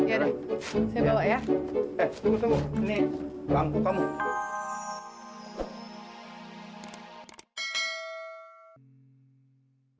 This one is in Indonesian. eh tunggu tunggu ini lampu kamu